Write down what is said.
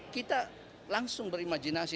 kita langsung berimajinasi